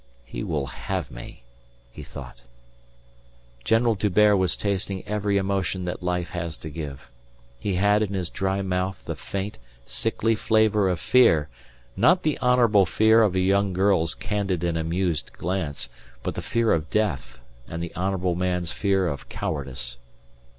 "He will have me," he thought. General D'Hubert was tasting every emotion that life has to give. He had in his dry mouth the faint, sickly flavour of fear, not the honourable fear of a young girl's candid and amused glance, but the fear of death and the honourable man's fear of cowardice.